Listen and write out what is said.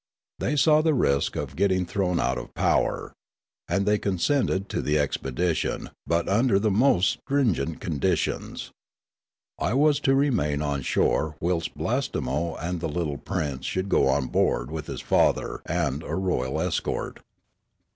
They saw the risk of getting thrown out of power. And they consented to the expedition, but under the most stringent conditions. I was to remain on shore whilst Blastemo and the little prince should go on board with his father and a royal escort.